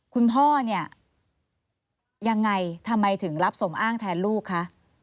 คุณพ่อเนี่ยยังไงทำไมถึงรับสมอ้างแทนลูกคะ